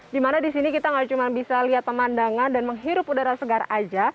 dimana disini kita gak cuma bisa lihat pemandangan dan menghirup udara segar aja